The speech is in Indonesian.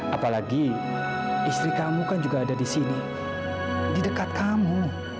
apalagi istri kamu kan juga ada di sini di dekat kamu